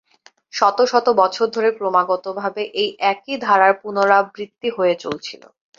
শত শত বছর ধরে ক্রমাগতভাবে এই একই ধারার পুনরাবৃত্তি হয়ে চলছিল।